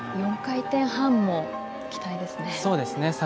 ４回転半も期待ですね。